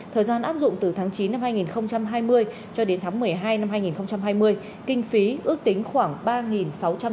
thời gian áp dụng từ tháng chín năm hai nghìn hai mươi cho đến tháng một mươi hai năm hai nghìn hai mươi